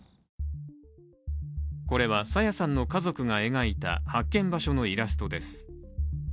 これは、朝芽さんの家族が描いた発見場所のイラストです。